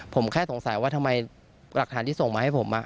ผมแค่สงสัยว่าทำไมหลักฐานที่ส่งมาให้ผม